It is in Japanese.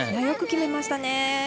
よく決めましたね。